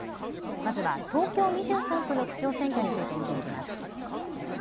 まずは東京２３区の区長選挙について見ていきます。